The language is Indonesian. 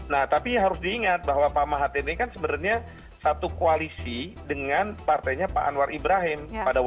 nah tapi harus diingat bahwa pak mahat ini kan sebenarnya satu koalisi dengan partainya pak anwar ibrahim